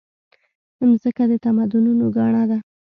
مځکه د تمدنونو ګاڼه ده.